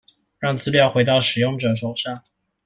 讓資料回到使用者手上